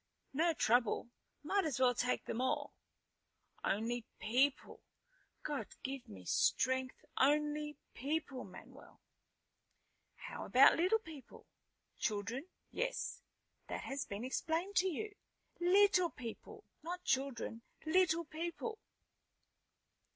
"No trouble. Might as well take them all." "Only people God give me strength! only people, Manuel." "How about little people?" "Children, yes. That has been explained to you." "Little people. Not children, little people."